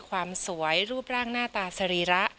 ความสวยรูปร่างหน้าตาสรีระ